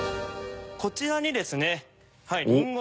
こちらにですねリンゴ。